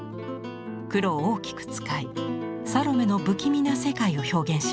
黒を大きく使い「サロメ」の不気味な世界を表現しました。